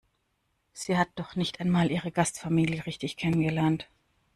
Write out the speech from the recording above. Sie hat noch nicht einmal ihre Gastfamilie richtig kennengelernt.